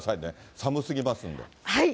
寒すぎますんで。